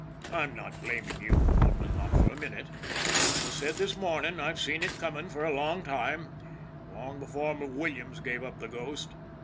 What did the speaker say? I'm not blaming you, Holman not for a minute! As I said this morning, I've seen it coming for a long while long before Williams gave up the ghost.